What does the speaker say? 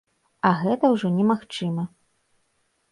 А гэта ўжо немагчыма.